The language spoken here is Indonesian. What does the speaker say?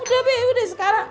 udah be udah sekarang